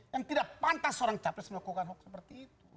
yang tidak pantas seorang capres melakukan hoax seperti itu